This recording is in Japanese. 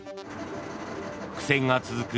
苦戦が続く